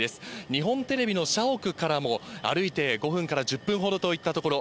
日本テレビの社屋からも歩いて５分から１０分ほどといったところ。